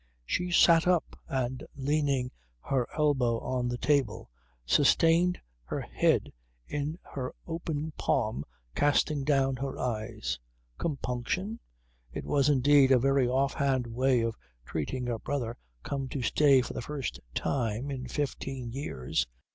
She sat up and leaning her elbow on the table sustained her head in her open palm casting down her eyes. Compunction? It was indeed a very off hand way of treating a brother come to stay for the first time in fifteen years.